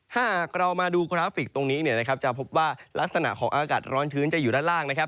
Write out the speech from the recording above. ถ้าหากเรามาดูกราฟิกตรงนี้เนี่ยนะครับจะพบว่าลักษณะของอากาศร้อนชื้นจะอยู่ด้านล่างนะครับ